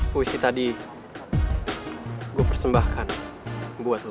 puisi tadi gue persembahkan buat lo